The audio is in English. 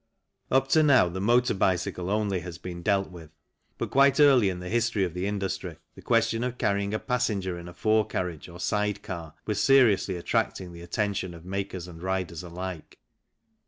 Up to now the motor bicycle only has been dealt with, but quite early in the history of the industry the question of carrying a passenger in a fore carriage or side car was seriously attracting the attention of makers and riders alike.